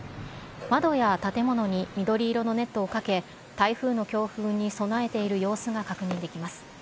窓や建物に緑色のネットをかけ、台風の強風に備えている様子が確認できます。